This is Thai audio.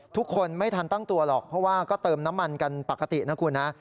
ทุกคนไม่ทันตั้งตัวหรอกเพราะว่าก็เติมน้ำมันกันปกตินะคุณนะ